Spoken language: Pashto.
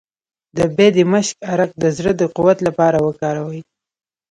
د بیدمشک عرق د زړه د قوت لپاره وکاروئ